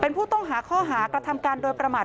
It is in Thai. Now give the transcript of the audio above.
เป็นผู้ต้องหาข้อหากระทำการโดยประมาท